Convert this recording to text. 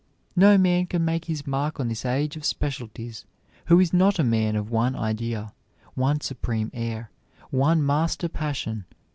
No man can make his mark on this age of specialties who is not a man of one idea, one supreme air, one master passion.